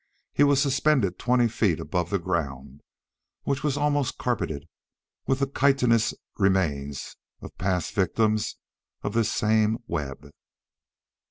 He was suspended twenty feet above the ground, which was almost carpeted with the chitinous remains of past victims of this same web.